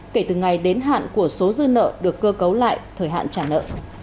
kể từ ngày đến hạn của số dư nợ được cơ cấu lại thời hạn trả nợ